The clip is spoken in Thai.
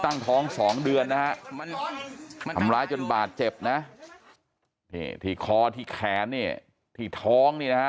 ตั้งท้อง๒เดือนนะทำร้ายจนบาดเจ็บนะที่คอที่แขนที่ท้อง